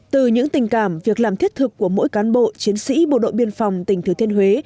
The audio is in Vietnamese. từ những tình cảm việc làm thiết thực của mỗi cán bộ chiến sĩ bộ đội biên phòng tỉnh thừa thiên huế